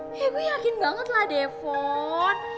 ya gue yakin banget lah devon